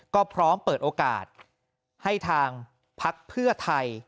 ก็พร้อมเปิดโอกาสให้ทางพักเพื่อไทย